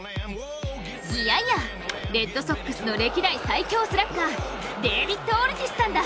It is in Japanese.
いやいや、レッドソックスの歴代最強スラッガー、デービッド・オルティスさんだ。